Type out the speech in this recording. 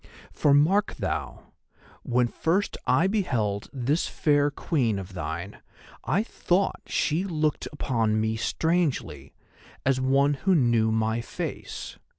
For mark thou, when first I beheld this fair Queen of thine I thought she looked upon me strangely, as one who knew my face.